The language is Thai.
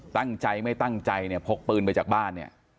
ตั้งใจไม่ตั้งใจเนี่ยพกปืนไปจากบ้านเนี่ย